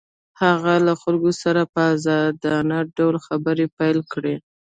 هغه له خلکو سره په ازادانه ډول خبرې پيل کړې.